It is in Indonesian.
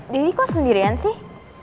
daddy kok sendirian sih